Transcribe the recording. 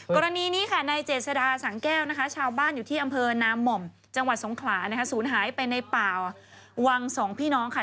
กรณีนี้ค่ะในเจษดาสังแก้วนะคะชาวบ้านอยู่ที่อำเภอนามหม่อมจังหวัดสงขลานะคะศูนย์หายไปในป่าวังสองพี่น้องค่ะ